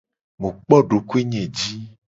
Mu kpo dokoe nye ji.